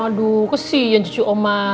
aduh kesian cucu oma